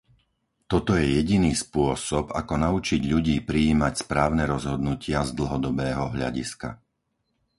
Toto je jediný spôsob, ako naučiť ľudí prijímať správne rozhodnutia z dlhodobého hľadiska.